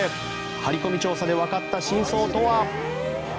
張り込み調査でわかった真相とは？